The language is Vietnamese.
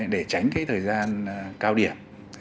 để tránh cái thời gian cao điểm